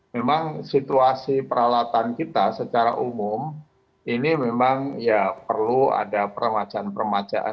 memang situasi peralatan kita secara umum ini memang ya perlu ada permajaan permajaan